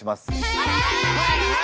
はい！